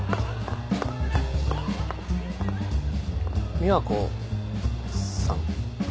・美和子さん？